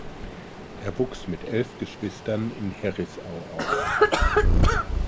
Er wuchs mit elf Geschwistern in Herisau auf.